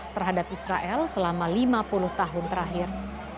terhadap israel selama lima puluh tahun terakhir